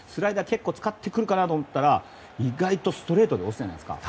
結構使ってくるかなと思ったら意外とストレートで押したじゃないですか。